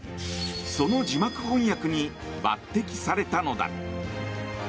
その字幕翻訳に抜擢されたのだ。